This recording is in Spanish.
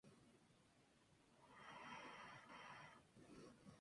Realizó un amplio trabajo como jurista en España y las Colonias.